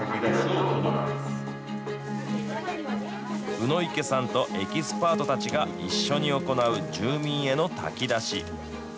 鵜池さんとエキスパートたちが一緒に行う住民への炊き出し。